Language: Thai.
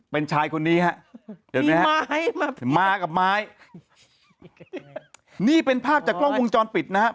เป็นชายคนนี้มีไม้มากกับไม้นี่เป็นภาพจากกล้องวงจรปิดนะ